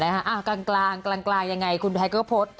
แหละนะฮะกลางยังไงคุณไทยก็โพสต์